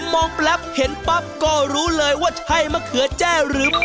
มองแป๊บเห็นปั๊บก็รู้เลยว่าใช่มะเขือแจ้หรือเปล่า